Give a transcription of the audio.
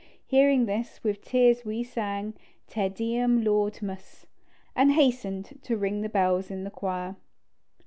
Hearing this, with tears we sang "Te Deum laudamus," and hastened to ring the bells in the choir.